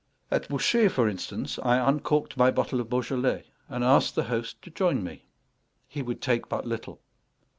At Bouchet, for instance, I uncorked my bottle of Beaujolais, and asked the host to join me. He would take but little.